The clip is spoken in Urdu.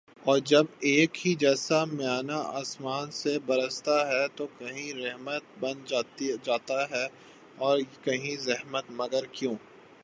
اور جب ایک ہی جیسا مینہ آسماں سے برستا ہے تو کہیں رحمت بن جاتا ہے اور کہیں زحمت مگر کیوں